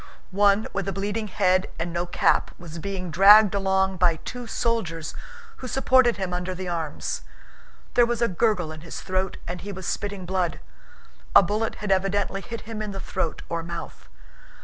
One with a bleeding head and no cap was being dragged along by two soldiers who supported him under the arms. There was a gurgle in his throat and he was spitting blood. A bullet had evidently hit him in the throat or mouth.